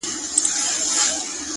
• لكه د دوو جنـــــــگ ـ